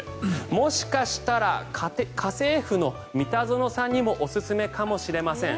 もしかしたら家政夫の三田園さんにもおすすめかもしれません。